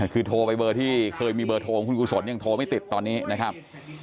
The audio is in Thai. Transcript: คือโทรไปเบอร์ที่เคยมีเบอร์โทรของคุณกุศลยังโทรไม่ติดตอนนี้นะครับ